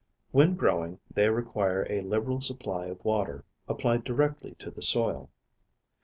When growing, they require a liberal supply of water, applied directly to the soil.